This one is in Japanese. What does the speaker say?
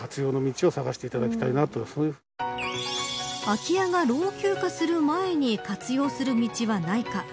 空き家が老朽化する前に活用する道はないか。